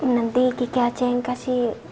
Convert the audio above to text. nanti ki ki aceh yang kasih